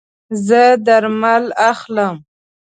زه درمل اخلم